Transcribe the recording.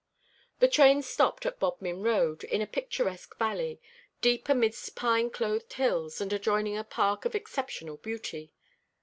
The train stopped at Bodmin Road, in a picturesque valley, deep amidst pine clothed hills, and adjoining a park of exceptional beauty.